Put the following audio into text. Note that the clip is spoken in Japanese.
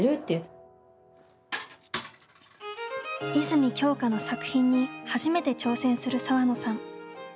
泉鏡花の作品に初めて挑戦するさわのさん。